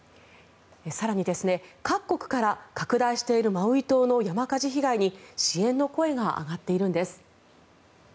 更に、各国から拡大しているマウイ島の山火事被害に支援の声が上がっているんです。